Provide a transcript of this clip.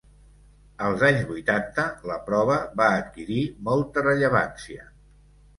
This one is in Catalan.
Als anys vuitanta la prova va adquirir molta rellevància.